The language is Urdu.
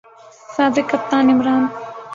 سابق کپتان عمران